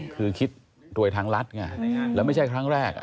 คือคิดรวยทางรัฐไงแล้วไม่ใช่ครั้งแรก